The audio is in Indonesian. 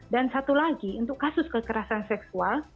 dan satu lagi untuk kasus kekerasan seksual